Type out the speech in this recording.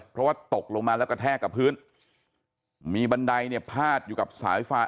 เพราะว่าตกลงมาแล้วกระแทกกับพื้นมีบันไดเนี่ยพาดอยู่กับสายฟาน